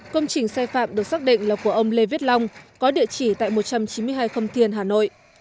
công trình sai phạm được xác định là của ông lê viết long có địa chỉ tại một trăm chín mươi hai khâm thiên hà nội